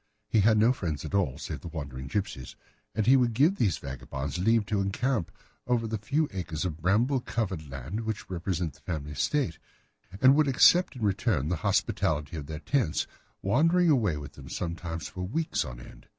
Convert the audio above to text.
He had no friends at all save the wandering gipsies, and he would give these vagabonds leave to encamp upon the few acres of bramble covered land which represent the family estate, and would accept in return the hospitality of their tents, wandering away with them sometimes for weeks on end.